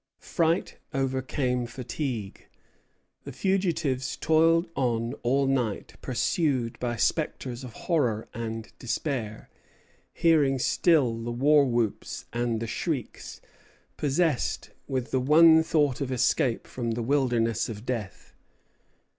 Fright overcame fatigue. The fugitives toiled on all night, pursued by spectres of horror and despair; hearing still the war whoops and the shrieks; possessed with the one thought of escape from the wilderness of death.